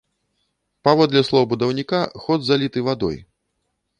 Паводле слоў будаўніка, ход заліты вадой.